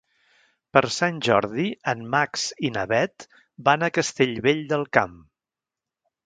Per Sant Jordi en Max i na Bet van a Castellvell del Camp.